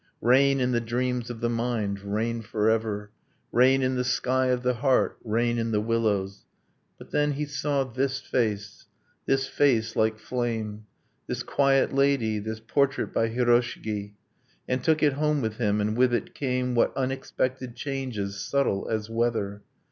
Rain in the dreams of the mind rain forever Rain in the sky of the heart rain in the willows But then he saw this face, this face like flame, This quiet lady, this portrait by Hiroshigi; And took it home with him; and with it came What unexpected changes, subtle as weather!